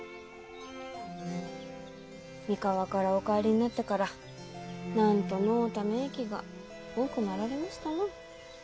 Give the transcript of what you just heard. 三河からお帰りになってから何とのうため息が多くなられましたな。